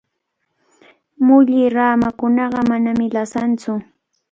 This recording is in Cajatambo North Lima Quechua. Mulli ramakunaqa manami lasantsu.